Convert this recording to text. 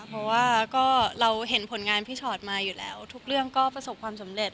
เพราะว่าก็เราเห็นผลงานพี่ชอตมาอยู่แล้วทุกเรื่องก็ประสบความสำเร็จ